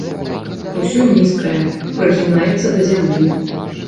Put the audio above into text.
Усё нізкае, прыгінаецца да зямлі.